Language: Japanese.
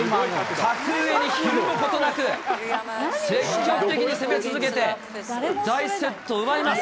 格上にひるむことなく、積極的に攻め続けて、第１セットを奪います。